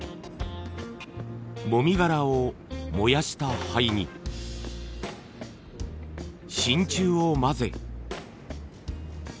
もみ殻を燃やした灰に真鍮を混ぜ。